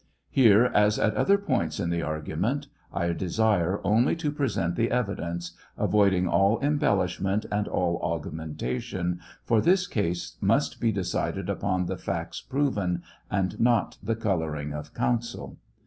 Here, as at other points in the argument, I desire only to present the evidence, avoid ing all embellishment and all augmentation, for this case must be decided upon the facts proven, and not the coloring of counsel.